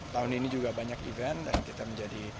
tahun ini juga banyak event dan kita menjadi